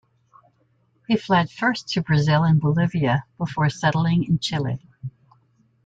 He fled first to Brazil and Bolivia, before settling in Chile.